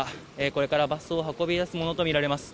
これからバスを運び出すものと見られます。